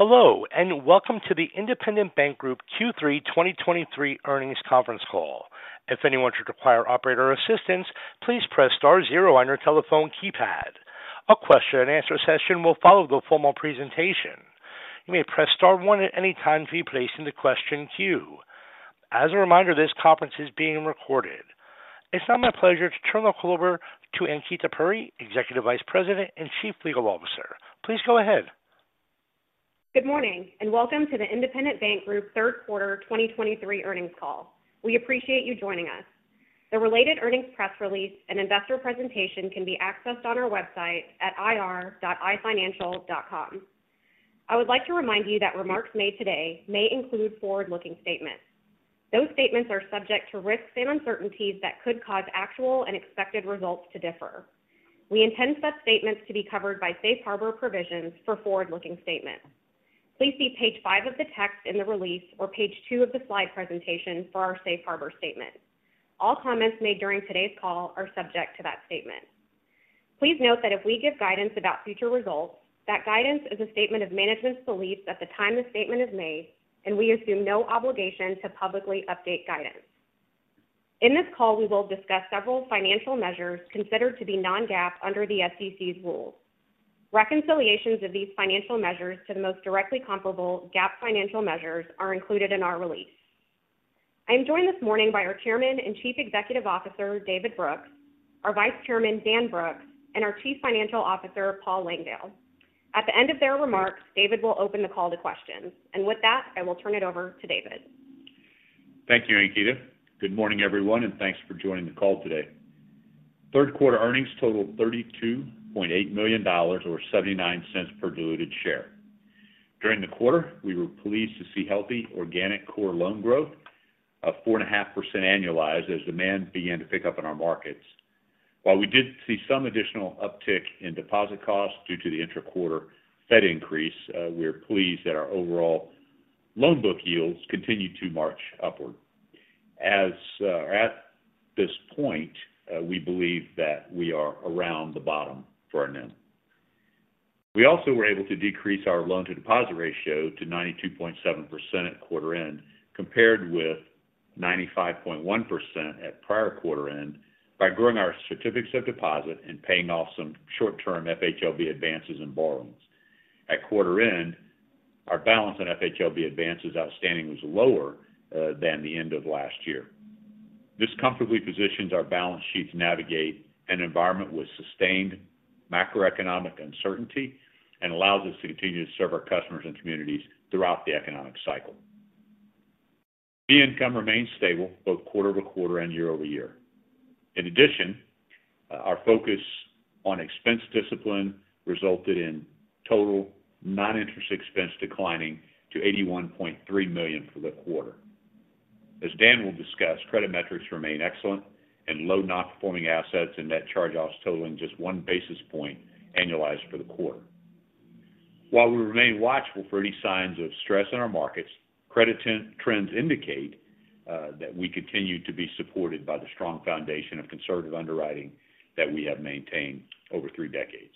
Hello, and welcome to the Independent Bank Group Q3 2023 earnings conference call. If anyone should require operator assistance, please press star zero on your telephone keypad. A question-and-answer session will follow the formal presentation. You may press star one at any time to be placed in the question queue. As a reminder, this conference is being recorded. It's now my pleasure to turn the call over to Ankita Puri, Executive Vice President and Chief Legal Officer. Please go ahead. Good morning, and welcome to the Independent Bank Group third quarter 2023 earnings call. We appreciate you joining us. The related earnings press release and investor presentation can be accessed on our website at ir.ifinancial.com. I would like to remind you that remarks made today may include forward-looking statements. Those statements are subject to risks and uncertainties that could cause actual and expected results to differ. We intend such statements to be covered by safe harbor provisions for forward-looking statements. Please see page five of the text in the release or page two of the slide presentation for our safe harbor statement. All comments made during today's call are subject to that statement. Please note that if we give guidance about future results, that guidance is a statement of management's beliefs at the time the statement is made, and we assume no obligation to publicly update guidance. In this call, we will discuss several financial measures considered to be non-GAAP under the SEC's rules. Reconciliations of these financial measures to the most directly comparable GAAP financial measures are included in our release. I'm joined this morning by our Chairman and Chief Executive Officer, David Brooks, our Vice Chairman, Dan Brooks, and our Chief Financial Officer, Paul Langdale. At the end of their remarks, David will open the call to questions. With that, I will turn it over to David. Thank you, Ankita. Good morning, everyone, and thanks for joining the call today. Third quarter earnings totaled $32.8 million or $0.79 per diluted share. During the quarter, we were pleased to see healthy organic core loan growth of 4.5% annualized as demand began to pick up in our markets. While we did see some additional uptick in deposit costs due to the interquarter Fed increase, we are pleased that our overall loan book yields continued to march upward. As at this point, we believe that we are around the bottom for our NIM. We also were able to decrease our loan-to-deposit ratio to 92.7% at quarter end, compared with 95.1% at prior quarter end, by growing our certificates of deposit and paying off some short-term FHLB advances and borrowings. At quarter end, our balance in FHLB advances outstanding was lower than the end of last year. This comfortably positions our balance sheet to navigate an environment with sustained macroeconomic uncertainty and allows us to continue to serve our customers and communities throughout the economic cycle. Fee income remains stable both quarter-over-quarter and year-over-year. In addition, our focus on expense discipline resulted in total non-interest expense declining to $81.3 million for the quarter. As Dan will discuss, credit metrics remain excellent and low non-performing assets and net charge-offs totaling just one basis point annualized for the quarter. While we remain watchful for any signs of stress in our markets, credit trends indicate that we continue to be supported by the strong foundation of conservative underwriting that we have maintained over three decades.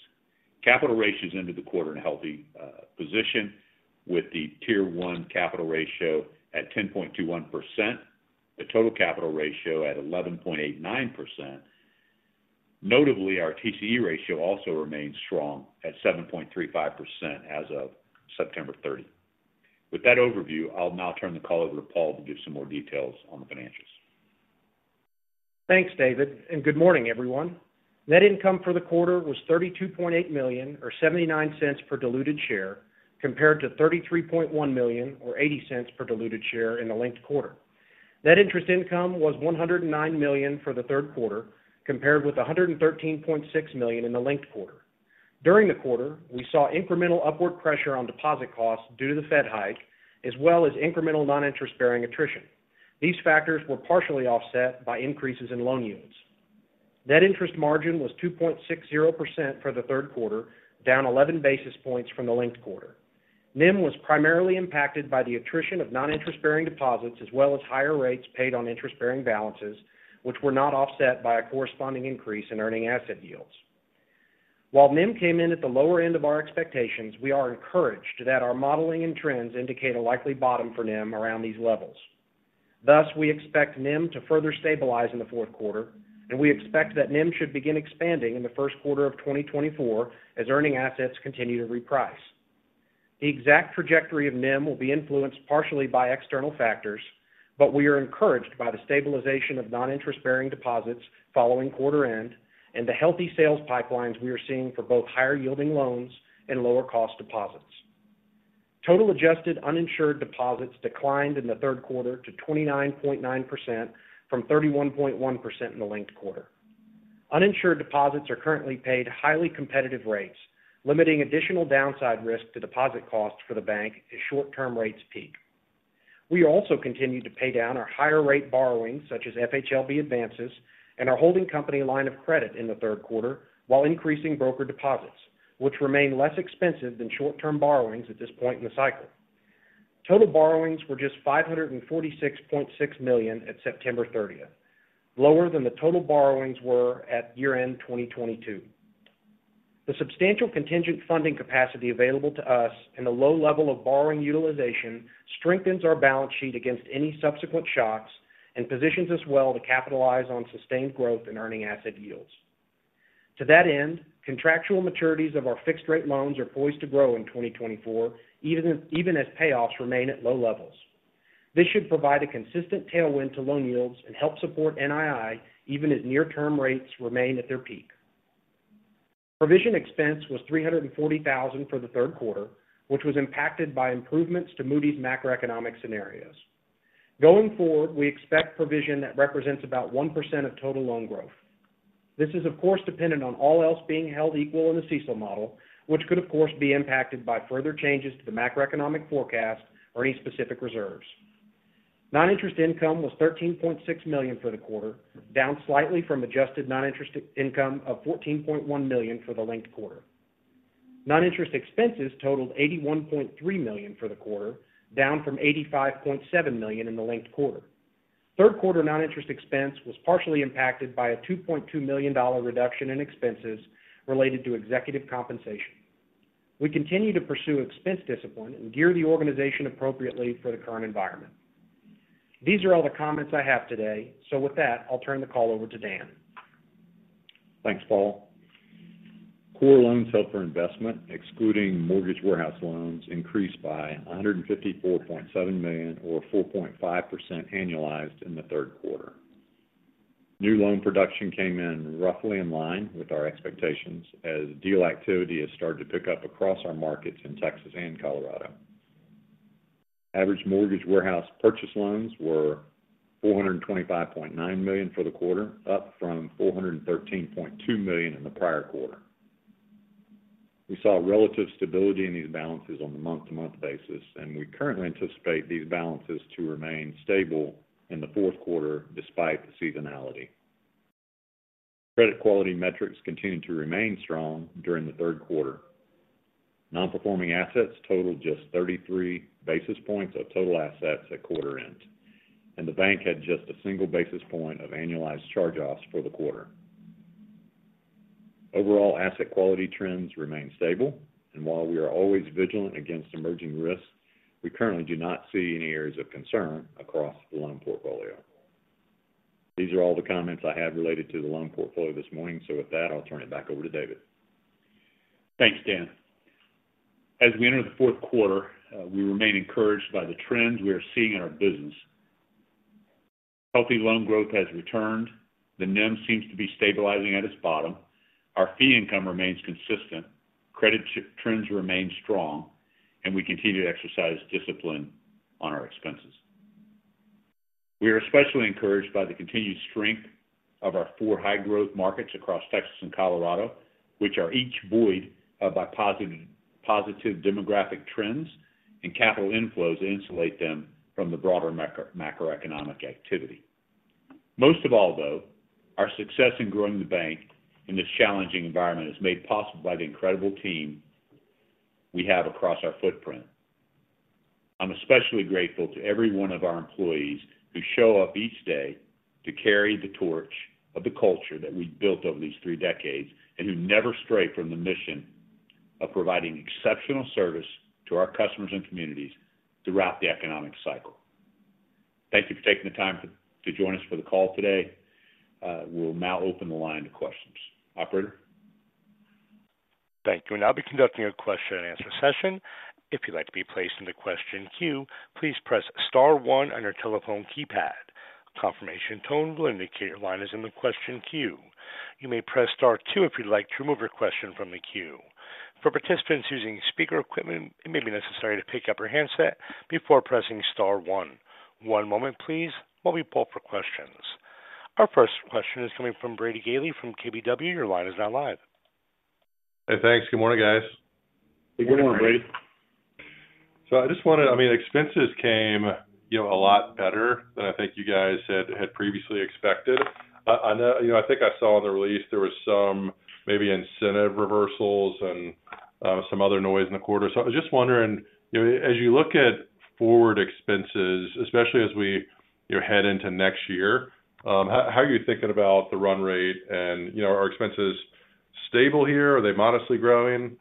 Capital ratios ended the quarter in a healthy position with the Tier one capital ratio at 10.21%, the total capital ratio at 11.89%. Notably, our TCE ratio also remains strong at 7.35% as of September 30. With that overview, I'll now turn the call over to Paul to give some more details on the financials. Thanks, David, and good morning, everyone. Net income for the quarter was $32.8 million, or $0.79 per diluted share, compared to $33.1 million or $0.80 per diluted share in the linked quarter. Net interest income was $109 million for the third quarter, compared with $113.6 million in the linked quarter. During the quarter, we saw incremental upward pressure on deposit costs due to the Fed hike, as well as incremental non-interest-bearing attrition. These factors were partially offset by increases in loan yields. Net interest margin was 2.60% for the third quarter, down 11 basis points from the linked quarter. NIM was primarily impacted by the attrition of non-interest-bearing deposits, as well as higher rates paid on interest-bearing balances, which were not offset by a corresponding increase in earning asset yields. While NIM came in at the lower end of our expectations, we are encouraged that our modeling and trends indicate a likely bottom for NIM around these levels. Thus, we expect NIM to further stabilize in the fourth quarter, and we expect that NIM should begin expanding in the first quarter of 2024 as earning assets continue to reprice. The exact trajectory of NIM will be influenced partially by external factors, but we are encouraged by the stabilization of non-interest-bearing deposits following quarter end and the healthy sales pipelines we are seeing for both higher-yielding loans and lower-cost deposits. Total adjusted uninsured deposits declined in the third quarter to 29.9% from 31.1% in the linked quarter. Uninsured deposits are currently paid highly competitive rates, limiting additional downside risk to deposit costs for the bank as short-term rates peak. We also continued to pay down our higher rate borrowings, such as FHLB advances and our holding company line of credit in the third quarter, while increasing broker deposits, which remain less expensive than short-term borrowings at this point in the cycle.... Total borrowings were just $546.6 million at September 30th, lower than the total borrowings were at year-end 2022. The substantial contingent funding capacity available to us and the low level of borrowing utilization strengthens our balance sheet against any subsequent shocks and positions us well to capitalize on sustained growth in earning asset yields. To that end, contractual maturities of our fixed-rate loans are poised to grow in 2024, even, even as payoffs remain at low levels. This should provide a consistent tailwind to loan yields and help support NII, even as near-term rates remain at their peak. Provision expense was $340,000 for the third quarter, which was impacted by improvements to Moody's macroeconomic scenarios. Going forward, we expect provision that represents about 1% of total loan growth. This is, of course, dependent on all else being held equal in the CECL model, which could, of course, be impacted by further changes to the macroeconomic forecast or any specific reserves. Non-interest income was $13.6 million for the quarter, down slightly from adjusted non-interest income of $14.1 million for the linked quarter. Non-interest expenses totaled $81.3 million for the quarter, down from $85.7 million in the linked quarter. Third quarter non-interest expense was partially impacted by a $2.2 million dollar reduction in expenses related to executive compensation. We continue to pursue expense discipline and gear the organization appropriately for the current environment. These are all the comments I have today. With that, I'll turn the call over to Dan. Thanks, Paul. Core loans held for investment, excluding mortgage warehouse loans, increased by $154.7 million or 4.5% annualized in the third quarter. New loan production came in roughly in line with our expectations, as deal activity has started to pick up across our markets in Texas and Colorado. Average mortgage warehouse purchase loans were $425.9 million for the quarter, up from $413.2 million in the prior quarter. We saw relative stability in these balances on a month-to-month basis, and we currently anticipate these balances to remain stable in the fourth quarter despite the seasonality. Credit quality metrics continued to remain strong during the third quarter. Non-performing assets totaled just 33 basis points of total assets at quarter end, and the bank had just one basis point of annualized charge-offs for the quarter. Overall asset quality trends remain stable, and while we are always vigilant against emerging risks, we currently do not see any areas of concern across the loan portfolio. These are all the comments I have related to the loan portfolio this morning. So with that, I'll turn it back over to David. Thanks, Dan. As we enter the fourth quarter, we remain encouraged by the trends we are seeing in our business. Healthy loan growth has returned, the NIM seems to be stabilizing at its bottom, our fee income remains consistent, credit trends remain strong, and we continue to exercise discipline on our expenses. We are especially encouraged by the continued strength of our four high-growth markets across Texas and Colorado, which are each buoyed by positive, positive demographic trends and capital inflows that insulate them from the broader macro, macroeconomic activity. Most of all, though, our success in growing the bank in this challenging environment is made possible by the incredible team we have across our footprint. I'm especially grateful to every one of our employees who show up each day to carry the torch of the culture that we've built over these three decades, and who never stray from the mission of providing exceptional service to our customers and communities throughout the economic cycle. Thank you for taking the time to join us for the call today. We'll now open the line to questions. Operator? Thank you. We'll now be conducting a question-and-answer session. If you'd like to be placed in the question queue, please press star one on your telephone keypad. Confirmation tone will indicate your line is in the question queue. You may press star two if you'd like to remove your question from the queue. For participants using speaker equipment, it may be necessary to pick up your handset before pressing star one. One moment please, while we poll for questions. Our first question is coming from Brady Gailey from KBW. Your line is now live. Hey, thanks. Good morning, guys. Good morning, Brady. Good morning. So I just wanted, I mean, expenses came, you know, a lot better than I think you guys had previously expected. I know, you know, I think I saw in the release there was some maybe incentive reversals and some other noise in the quarter. So I was just wondering, you know, as you look at forward expenses, especially as we, you know, head into next year, how are you thinking about the run rate? And, you know, are expenses stable here? Are they modestly growing?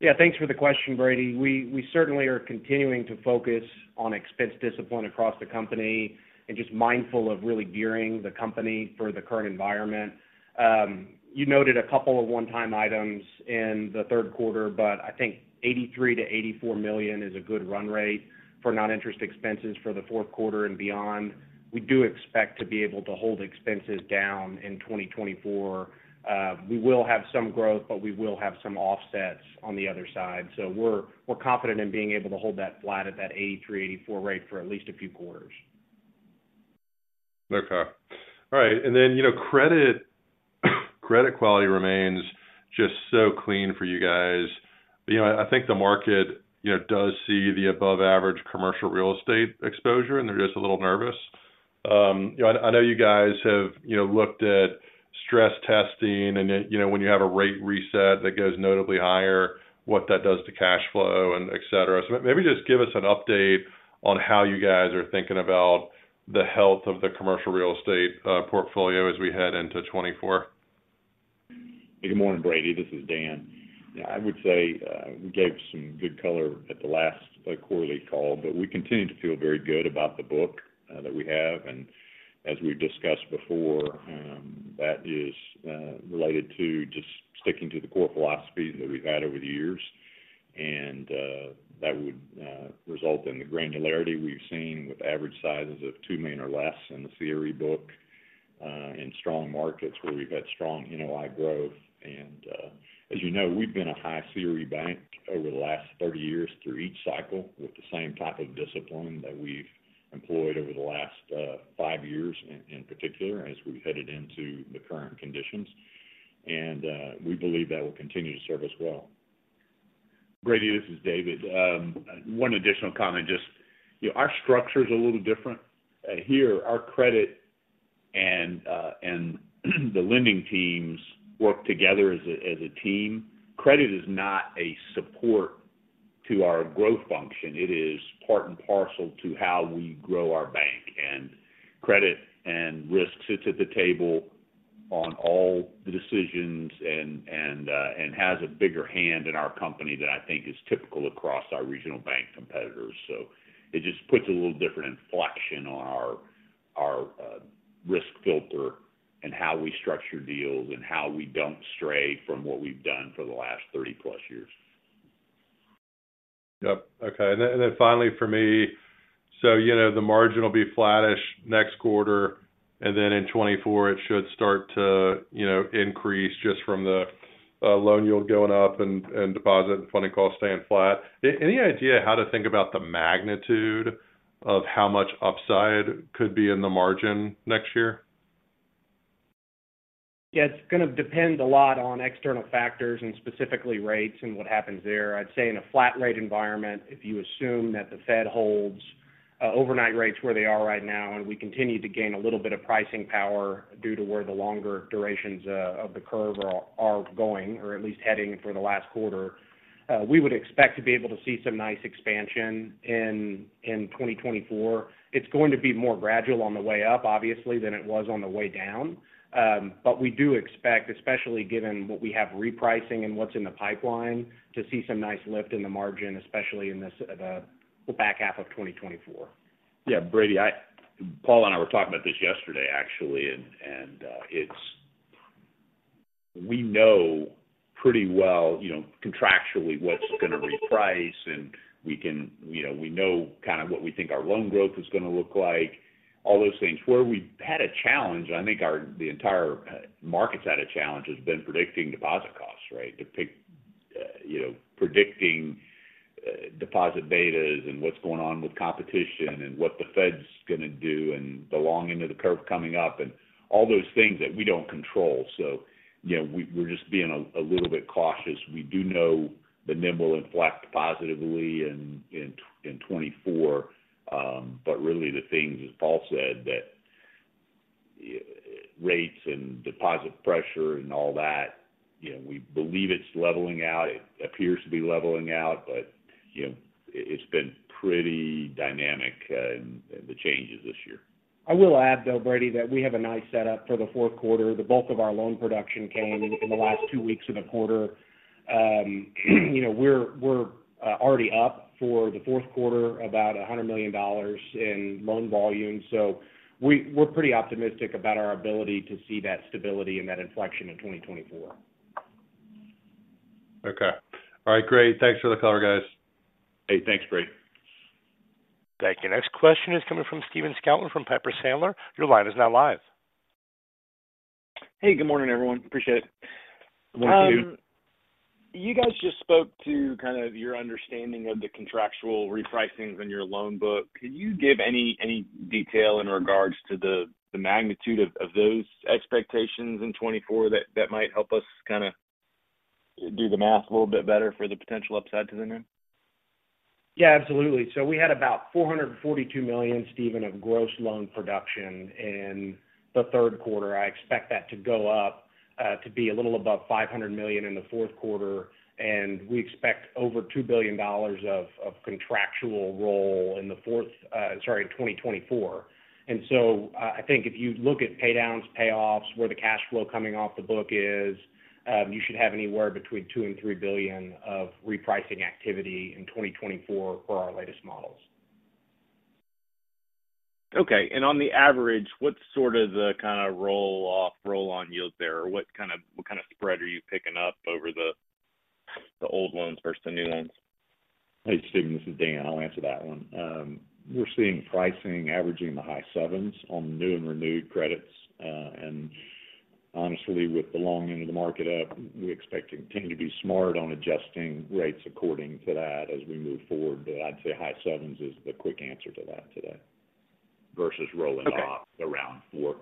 Yeah, thanks for the question, Brady. We certainly are continuing to focus on expense discipline across the company and just mindful of really gearing the company for the current environment. You noted a couple of one-time items in the third quarter, but I think $83 million-$84 million is a good run rate for non-interest expenses for the fourth quarter and beyond. We do expect to be able to hold expenses down in 2024. We will have some growth, but we will have some offsets on the other side. So we're confident in being able to hold that flat at that $83 million-$84 million rate for at least a few quarters. Okay. All right. And then, you know, credit, credit quality remains just so clean for you guys. You know, I think the market, you know, does see the above-average commercial real estate exposure, and they're just a little nervous. You know, I know you guys have, you know, looked at stress testing, and then, you know, when you have a rate reset that goes notably higher, what that does to cash flow and et cetera. So maybe just give us an update on how you guys are thinking about the health of the commercial real estate portfolio as we head into 2024. Good morning, Brady. This is Dan. I would say, we gave some good color at the last quarterly call, but we continue to feel very good about the book, that we have. And as we've discussed before, that is related to just sticking to the core philosophy that we've had over the years. And, that would result in the granularity we've seen with average sizes of $2 million or less in the CRE book, in strong markets where we've had strong NOI growth. And, as you know, we've been a high CRE bank over the last 30 years through each cycle, with the same type of discipline that we've employed over the last five years, in particular, as we've headed into the current conditions. And, we believe that will continue to serve us well. Brady, this is David. One additional comment, just, you know, our structure is a little different. Here, our credit and the lending teams work together as a team. Credit is not a support to our growth function. It is part and parcel to how we grow our bank, and credit and risk sits at the table on all the decisions and has a bigger hand in our company than I think is typical across our regional bank competitors. So it just puts a little different inflection on our risk filter and how we structure deals and how we don't stray from what we've done for the last 30+ years. Yep. Okay. And then finally for me, so, you know, the margin will be flattish next quarter, and then in 2024, it should start to, you know, increase just from the loan yield going up and deposit and funding costs staying flat. Any idea how to think about the magnitude of how much upside could be in the margin next year? Yeah, it's going to depend a lot on external factors, and specifically rates and what happens there. I'd say in a flat rate environment, if you assume that the Fed holds overnight rates where they are right now, and we continue to gain a little bit of pricing power due to where the longer durations of the curve are going, or at least heading for the last quarter, we would expect to be able to see some nice expansion in 2024. It's going to be more gradual on the way up, obviously, than it was on the way down. But we do expect, especially given what we have repricing and what's in the pipeline, to see some nice lift in the margin, especially in this, the back half of 2024. Yeah, Brady, Paul and I were talking about this yesterday, actually, and it's We know pretty well, you know, contractually, what's going to reprice, and we can you know, we know kind of what we think our loan growth is going to look like, all those things. Where we've had a challenge, I think the entire market's had a challenge, has been predicting deposit costs, right? To predict, you know, predicting deposit betas and what's going on with competition and what the Fed's going to do and the long end of the curve coming up and all those things that we don't control. So, you know, we're just being a little bit cautious. We do know the NIM will inflect positively in 2024, but really the things, as Paul said, that rates and deposit pressure and all that, you know, we believe it's leveling out. It appears to be leveling out, but, you know, it's been pretty dynamic, the changes this year. I will add, though, Brady, that we have a nice setup for the fourth quarter. The bulk of our loan production came in the last two weeks of the quarter. You know, we're, we're already up for the fourth quarter, about $100 million in loan volume. So we're pretty optimistic about our ability to see that stability and that inflection in 2024. Okay. All right, great. Thanks for the color, guys. Hey, thanks, Brady. Thank you. Next question is coming from Stephen Scouten from Piper Sandler. Your line is now live. Hey, good morning, everyone. Appreciate it. You guys just spoke to kind of your understanding of the contractual repricings in your loan book. Could you give any detail in regards to the magnitude of those expectations in 2024, that might help us kind of do the math a little bit better for the potential upside to the NIM? Yeah, absolutely. So we had about $442 million, Stephen, of gross loan production in the third quarter. I expect that to go up to be a little above $500 million in the fourth quarter, and we expect over $2 billion of contractual roll in the fourth, sorry, in 2024. And so, I think if you look at pay downs, payoffs, where the cash flow coming off the book is, you should have anywhere between $2 billion and $3 billion of repricing activity in 2024 for our latest models. Okay. On the average, what's sort of the kind of roll-off, roll-on yield there? Or what kind of, what kind of spread are you picking up over the, the old loans versus the new ones? Hey, Stephen, this is Dan. I'll answer that one. We're seeing pricing averaging the high sevens on new and renewed credits. And honestly, with the long end of the market up, we expect to continue to be smart on adjusting rates according to that as we move forward. But I'd say high sevens is the quick answer to that today. Versus rolling off- Okay - around four....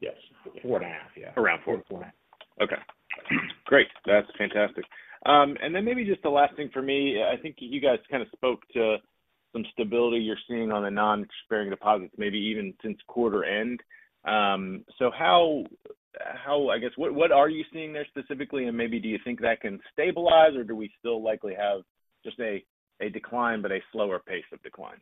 Yes, four point five Yeah. Around four. four point five Okay, great. That's fantastic. And then maybe just the last thing for me, I think you guys kind of spoke to some stability you're seeing on the non-expiring deposits, maybe even since quarter end. So how—I guess, what are you seeing there specifically? And maybe do you think that can stabilize, or do we still likely have just a decline, but a slower pace of decline?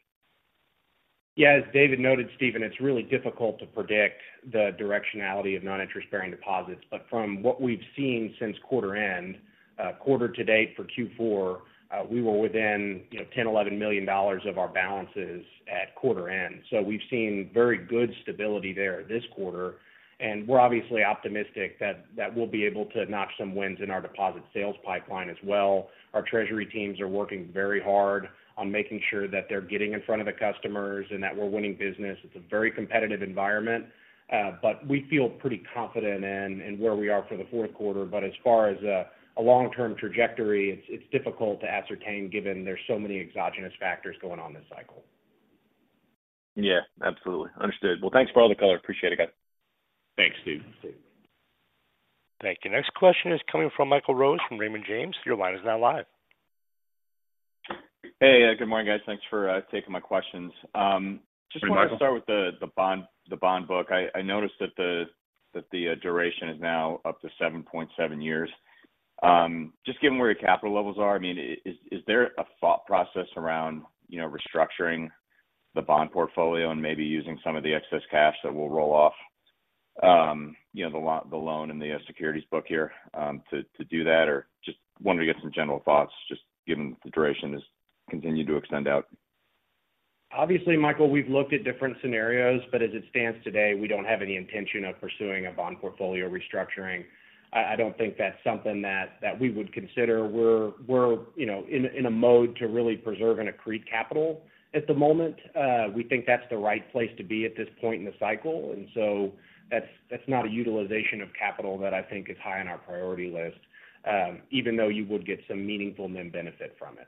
Yeah, as David noted, Stephen, it's really difficult to predict the directionality of non-interest-bearing deposits. But from what we've seen since quarter end, quarter to date for Q4, we were within, you know, $10 million-$11 million of our balances at quarter end. So we've seen very good stability there this quarter, and we're obviously optimistic that we'll be able to notch some wins in our deposit sales pipeline as well. Our treasury teams are working very hard on making sure that they're getting in front of the customers and that we're winning business. It's a very competitive environment, but we feel pretty confident in where we are for the fourth quarter. But as far as a long-term trajectory, it's difficult to ascertain, given there's so many exogenous factors going on this cycle. Yeah, absolutely. Understood. Well, thanks for all the color. Appreciate it, guys. Thanks, Steph Thank you. Next question is coming from Michael Rose from Raymond James. Your line is now live. Hey, good morning, guys. Thanks for taking my questions. Hey, Michael. Just want to start with the bond book. I noticed that the duration is now up to 7.7 years. Just given where your capital levels are, I mean, is there a thought process around, you know, restructuring the bond portfolio and maybe using some of the excess cash that will roll off, you know, the loan and the securities book here, to do that? Or just wanted to get some general thoughts, just given the duration has continued to extend out. Obviously, Michael, we've looked at different scenarios, but as it stands today, we don't have any intention of pursuing a bond portfolio restructuring. I don't think that's something that we would consider. We're, you know, in a mode to really preserve and accrete capital at the moment. We think that's the right place to be at this point in the cycle, and so that's not a utilization of capital that I think is high on our priority list, even though you would get some meaningful NIM benefit from it.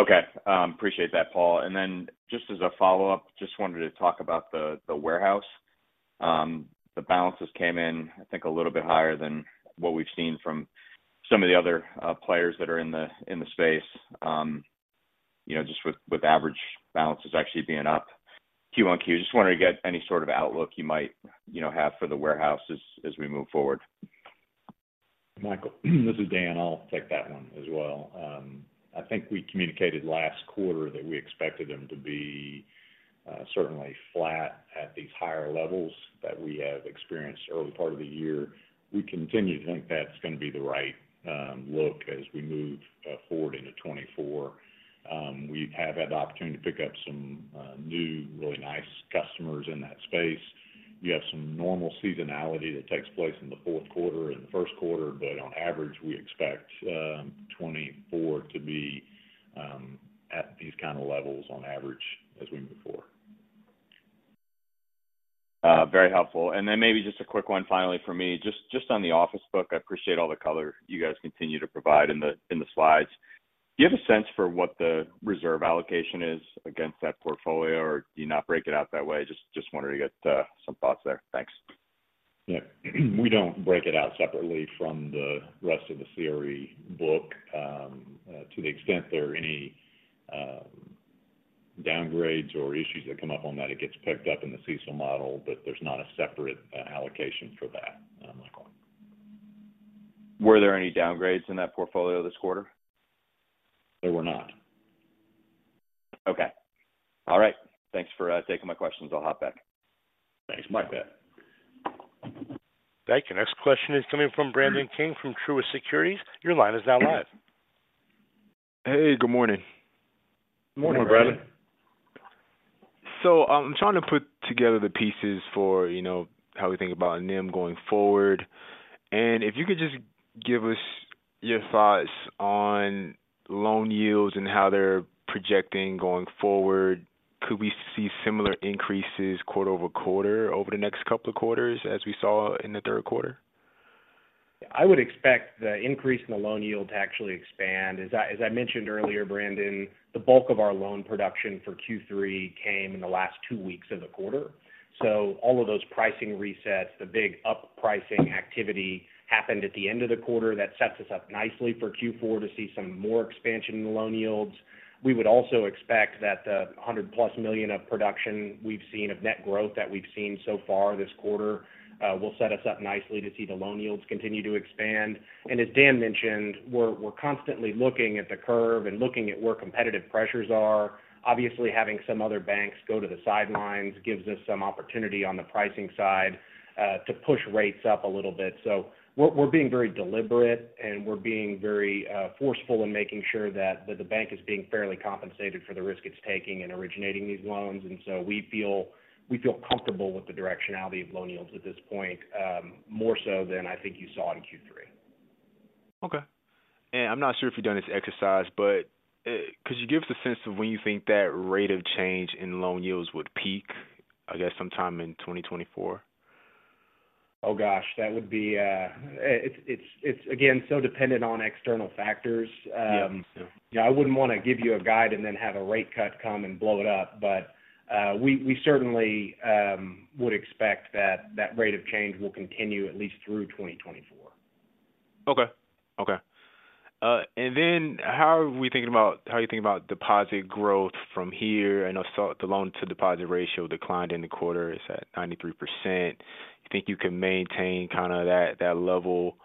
Okay. Appreciate that, Paul. Then just as a follow-up, just wanted to talk about the warehouse. The balances came in, I think, a little bit higher than what we've seen from some of the other players that are in the space. You know, just with average balances actually being up Q-on-Q. Just wanted to get any sort of outlook you might, you know, have for the warehouse as we move forward. Michael, this is Dan. I'll take that one as well. I think we communicated last quarter that we expected them to be certainly flat at these higher levels that we have experienced early part of the year. We continue to think that's going to be the right look as we move forward into 2024. We have had the opportunity to pick up some new really nice customers in that space. We have some normal seasonality that takes place in the fourth quarter and the first quarter, but on average, we expect 2024 to be at these kind of levels on average as we move forward. Very helpful. And then maybe just a quick one finally from me. Just, just on the office book, I appreciate all the color you guys continue to provide in the, in the slides. Do you have a sense for what the reserve allocation is against that portfolio, or do you not break it out that way? Just, just wanted to get some thoughts there. Thanks. Yeah. We don't break it out separately from the rest of the CRE book. To the extent there are any downgrades or issues that come up on that, it gets picked up in the CECL model, but there's not a separate allocation for that, Michael. Were there any downgrades in that portfolio this quarter? There were not. Okay. All right. Thanks for taking my questions. I'll hop back. Thanks, Michael. Thank you. Next question is coming from Brandon King from Truist Securities. Your line is now live. Hey, good morning. Morning, Brandon. I'm trying to put together the pieces for, you know, how we think about NIM going forward. If you could just give us your thoughts on loan yields and how they're projecting going forward, could we see similar increases quarter-over-quarter over the next couple of quarters as we saw in the third quarter? I would expect the increase in the loan yield to actually expand. As I mentioned earlier, Brandon, the bulk of our loan production for Q3 came in the last two weeks of the quarter. So all of those pricing resets, the big up pricing activity happened at the end of the quarter. That sets us up nicely for Q4 to see some more expansion in the loan yields. We would also expect that the $100+ million of production we've seen, of net growth that we've seen so far this quarter, will set us up nicely to see the loan yields continue to expand. As Dan mentioned, we're constantly looking at the curve and looking at where competitive pressures are. Obviously, having some other banks go to the sidelines gives us some opportunity on the pricing side to push rates up a little bit. So we're, we're being very deliberate, and we're being very forceful in making sure that, that the bank is being fairly compensated for the risk it's taking in originating these loans. And so we feel, we feel comfortable with the directionality of loan yields at this point, more so than I think you saw in Q3. Okay. And I'm not sure if you've done this exercise, but, could you give us a sense of when you think that rate of change in loan yields would peak, I guess, sometime in 2024?... Oh, gosh, that would be, it's, again, so dependent on external factors. Yeah, I wouldn't want to give you a guide and then have a rate cut come and blow it up. But, we certainly would expect that that rate of change will continue at least through 2024. Okay. Okay. And then how are we thinking about, how are you thinking about deposit growth from here? I know, so the loan to deposit ratio declined in the quarter. It's at 93%. You think you can maintain kind of that, that level?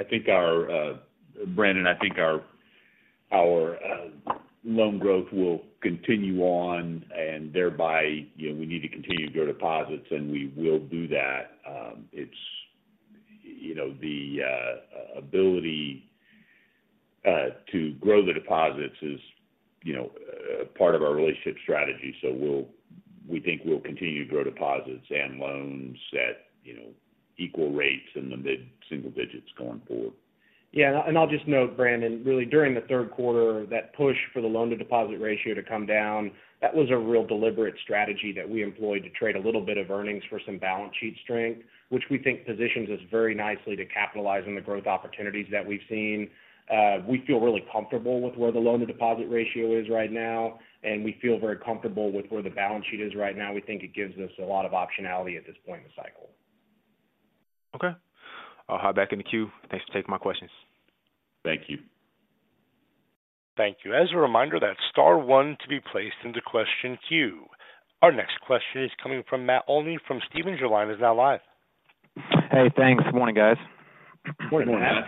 I think our loan growth will continue on, Brandon, and thereby, you know, we need to continue to grow deposits, and we will do that. It's, you know, the ability to grow the deposits is, you know, part of our relationship strategy. So we think we'll continue to grow deposits and loans at, you know, equal rates in the mid-single digits going forward. Yeah, and I'll just note, Brandon, really, during the third quarter, that push for the loan-to-deposit ratio to come down, that was a real deliberate strategy that we employed to trade a little bit of earnings for some balance sheet strength, which we think positions us very nicely to capitalize on the growth opportunities that we've seen. We feel really comfortable with where the loan-to-deposit ratio is right now, and we feel very comfortable with where the balance sheet is right now. We think it gives us a lot of optionality at this point in the cycle. Okay. I'll hop back in the queue. Thanks for taking my questions. Thank you. Thank you. As a reminder, that's star one to be placed into question queue. Our next question is coming from Matt Olney from Stephens. Your line is now live. Hey, thanks. Good morning, guys. Good morning, Matt.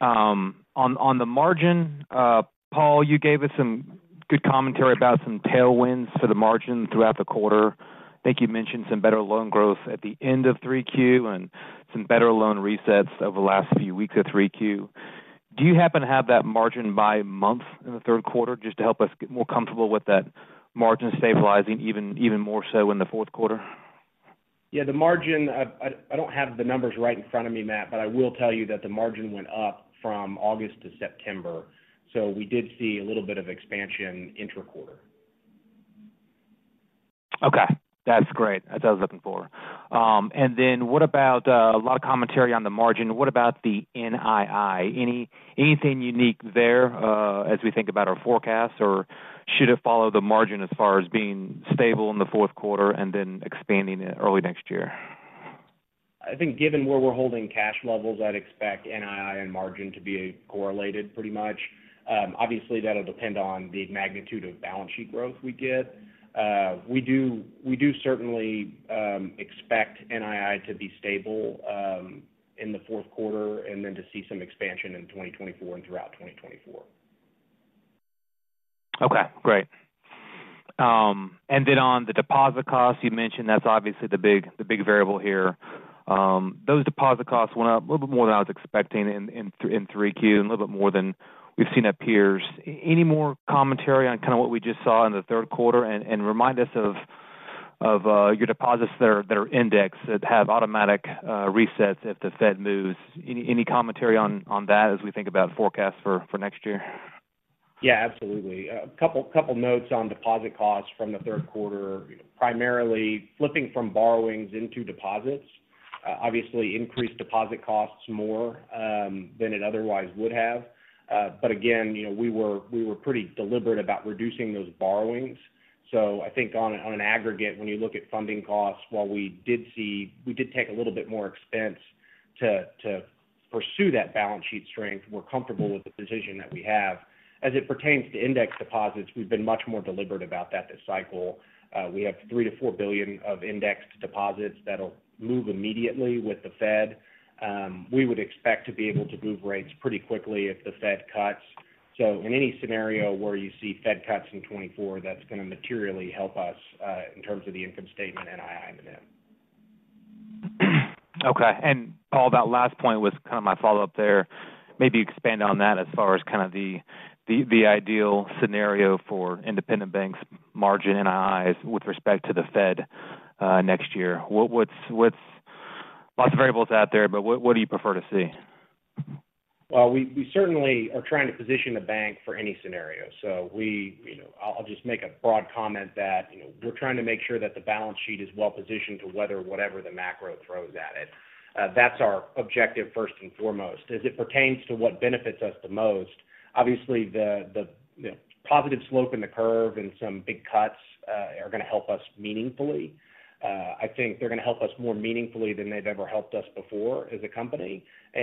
On the margin, Paul, you gave us some good commentary about some tailwinds for the margin throughout the quarter. I think you mentioned some better loan growth at the end of 3Q and some better loan resets over the last few weeks of 3Q. Do you happen to have that margin by month in the third quarter, just to help us get more comfortable with that margin stabilizing even, even more so in the fourth quarter? Yeah, the margin, I don't have the numbers right in front of me, Matt, but I will tell you that the margin went up from August to September, so we did see a little bit of expansion interquarter. Okay, that's great. That's what I was looking for. And then what about a lot of commentary on the margin. What about the NII? Anything unique there, as we think about our forecasts? Or should it follow the margin as far as being stable in the fourth quarter and then expanding it early next year? I think given where we're holding cash levels, I'd expect NII and margin to be correlated pretty much. Obviously, that'll depend on the magnitude of balance sheet growth we get. We do, we do certainly, expect NII to be stable, in the fourth quarter and then to see some expansion in 2024 and throughout 2024. Okay, great. And then on the deposit costs you mentioned, that's obviously the big, the big variable here. Those deposit costs went up a little bit more than I was expecting in 3Q and a little bit more than we've seen at peers. Any more commentary on kind of what we just saw in the third quarter, and remind us of your deposits that are indexed, that have automatic resets if the Fed moves. Any commentary on that as we think about forecasts for next year? Yeah, absolutely. A couple notes on deposit costs from the third quarter. Primarily, flipping from borrowings into deposits, obviously increased deposit costs more than it otherwise would have. But again, you know, we were pretty deliberate about reducing those borrowings. So I think on an aggregate, when you look at funding costs, while we did see, we did take a little bit more expense to pursue that balance sheet strength, we're comfortable with the position that we have. As it pertains to index deposits, we've been much more deliberate about that this cycle. We have $3 billion-$4 billion of indexed deposits that'll move immediately with the Fed. We would expect to be able to move rates pretty quickly if the Fed cuts. So in any scenario where you see Fed cuts in 2024, that's going to materially help us in terms of the income statement NII then. Okay. And Paul, that last point was kind of my follow-up there. Maybe expand on that as far as kind of the ideal scenario for Independent Bank's margin NIIs with respect to the Fed, next year. What... Lots of variables out there, but what do you prefer to see? Well, we certainly are trying to position the bank for any scenario. So we, you know, I'll just make a broad comment that, you know, we're trying to make sure that the balance sheet is well positioned to weather whatever the macro throws at it. That's our objective first and foremost. As it pertains to what benefits us the most, obviously, the you know, positive slope in the curve and some big cuts are going to help us meaningfully. I think they're going to help us more meaningfully than they've ever helped us before as a company. You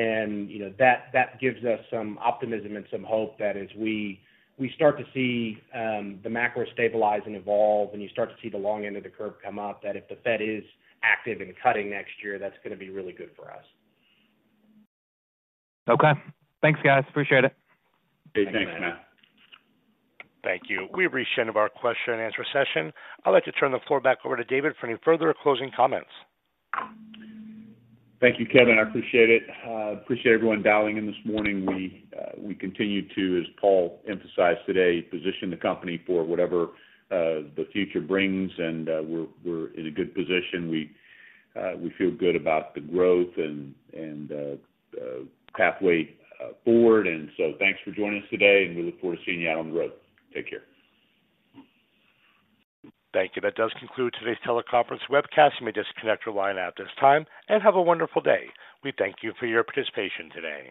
know, that gives us some optimism and some hope that as we start to see the macro stabilize and evolve, and you start to see the long end of the curve come up, that if the Fed is active in cutting next year, that's going to be really good for us. Okay. Thanks, guys. Appreciate it. Hey, thanks, Matt. Thank you. We've reached the end of our question and answer session. I'd like to turn the floor back over to David for any further closing comments. Thank you, Kevin. I appreciate it. Appreciate everyone dialing in this morning. We continue to, as Paul emphasized today, position the company for whatever the future brings, and we're in a good position. We feel good about the growth and pathway forward. And so thanks for joining us today, and we look forward to seeing you out on the road. Take care. Thank you. That does conclude today's teleconference webcast. You may disconnect your line at this time, and have a wonderful day. We thank you for your participation today.